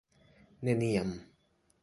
neniam